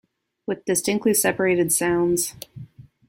With distinctly separated sounds.